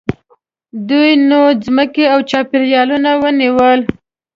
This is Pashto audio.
دوی نوې ځمکې او چاپېریالونه ونیول.